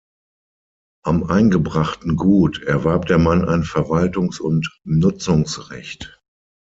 Am eingebrachten Gut erwarb der Mann ein Verwaltungs- und Nutzungsrecht.